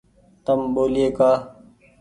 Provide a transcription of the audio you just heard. تم ٻولئي ڪآ ۔